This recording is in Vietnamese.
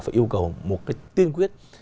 và yêu cầu một cái tiên quyết